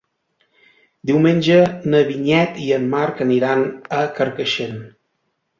Diumenge na Vinyet i en Marc aniran a Carcaixent.